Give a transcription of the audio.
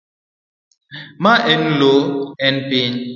Ma en loo, en piny.